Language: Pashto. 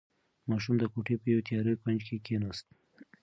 ماشوم د کوټې په یوه تیاره کونج کې کېناست.